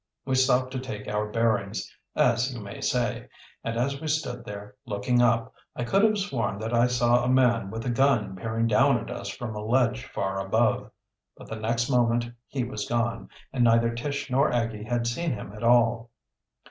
We stopped to take our bearings, as you may say, and as we stood there, looking up, I could have sworn that I saw a man with a gun peering down at us from a ledge far above. But the next moment he was gone, and neither Tish nor Aggie had seen him at all.